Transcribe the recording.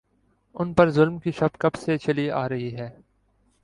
ان پہ ظلم کی شب کب سے چلی آ رہی ہے۔